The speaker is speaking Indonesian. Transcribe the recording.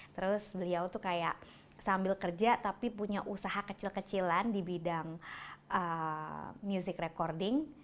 terus beliau tuh kayak sambil kerja tapi punya usaha kecil kecilan di bidang music recording